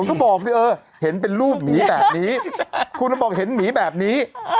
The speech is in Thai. ก็บอกสิเออเห็นเป็นรูปหมีแบบนี้คุณบอกเห็นหมีแบบนี้